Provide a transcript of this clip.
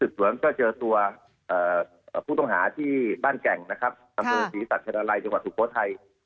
สืบสวนเจอตัวผู้ต้องหาที่บ้านแก่งอัมโภคฏศาลนายาที่ฝรั่งอยู่จากเมืองไทย